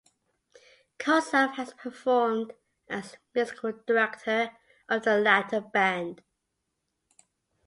Kozlov has performed as musical director of the latter band.